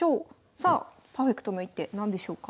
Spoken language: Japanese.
さあパーフェクトな一手何でしょうか？